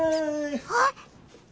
あっ！